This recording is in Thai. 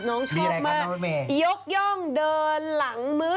น้องชอบมากยกย่องเดินหลังมื้อ